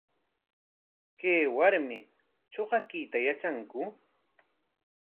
¿Chay warmi shuqakuyta yatranku?